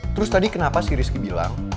terus tadi kenapa sih rizky bilang